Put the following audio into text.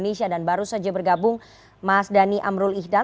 kepala peliputan cnn indonesia dan baru saja bergabung mas dhani amrul ihdan